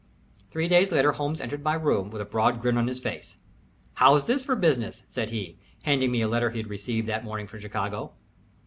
Three days later Holmes entered my room with a broad grin on his face. "How's this for business?" said he, handing me a letter he had received that morning from Chicago.